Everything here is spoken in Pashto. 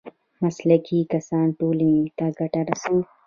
مسلکي کسان ټولنې ته ګټه رسوي